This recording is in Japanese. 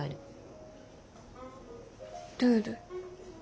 ルール？